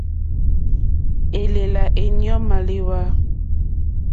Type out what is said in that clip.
Élèlà éɲɔ̂ màléwá.